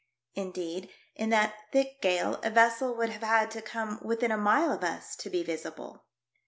Indeed, in that thick gale a vessel would have had to come within a mile of us to be visible.